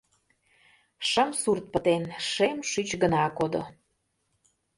Шым сурт пытен, шем шӱч гына кодо!